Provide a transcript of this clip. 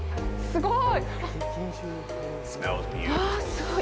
すごい。